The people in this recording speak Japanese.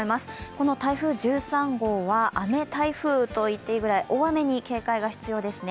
この台風１３号は雨台風と言っていいぐらい大雨に警戒が必要です。